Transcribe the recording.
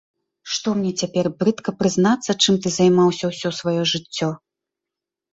Што мне цяпер брыдка прызнацца, чым ты займаўся ўсё сваё жыццё.